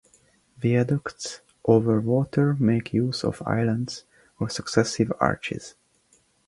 Viaducts over water make use of islands or successive arches.